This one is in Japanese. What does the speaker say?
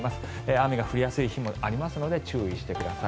雨が降りやすい日もありますので注意してください。